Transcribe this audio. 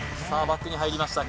バックに入りました